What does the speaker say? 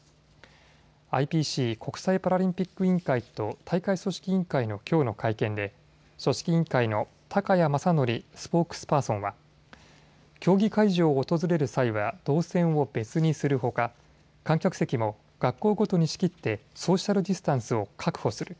ＩＰＣ・国際パラリンピック委員会と大会組織委員会のきょうの会見で組織委員会の高谷正哲スポークスパーソンは競技会場を訪れる際は動線を別にするほか観客席も学校ごとに仕切ってソーシャルディスタンスを確保する。